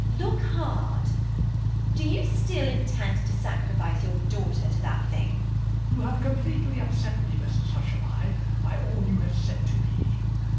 Look hard. Do you still intend to sacrifice your daughter to that thing? MAZZINI [troubled]. You have completely upset me, Mrs Hushabye, by all you have said to me.